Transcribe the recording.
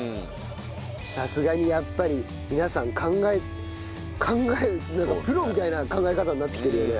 さすがにやっぱり皆さん考えプロみたいな考え方になってきてるよね。